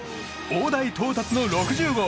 大台到達の６０号！